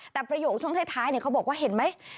แต่ประโยคช่วงท้ายเขาบอกว่าเห็นไหม